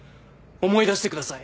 思い出してください。